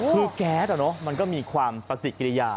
คือแก๊สมันก็มีความปฏิกิริยา